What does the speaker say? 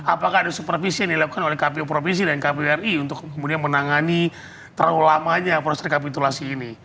apakah ada supervisi yang dilakukan oleh kpu provinsi dan kpu ri untuk kemudian menangani terlalu lamanya proses rekapitulasi ini